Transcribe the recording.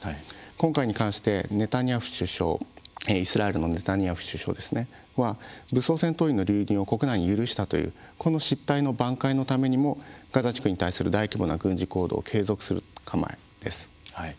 今回に関してイスラエルのネタニヤフ首相は武装戦闘員の流入を国内に許したこの失態の挽回のためにもガザ地区に対する大規模な軍事行動を継続する構えです。